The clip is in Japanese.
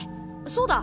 そうだ。